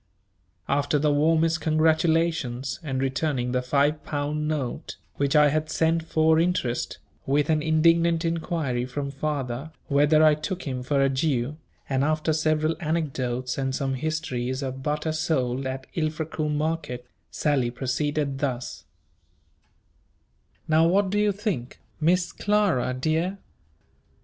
After the warmest congratulations and returning the five pound note, which I had sent for interest, with an indignant inquiry from father whether I took him for a Jew, and after several anecdotes and some histories of butter sold at Ilfracombe market, Sally proceeded thus: "Now what do you think, Miss Clara dear?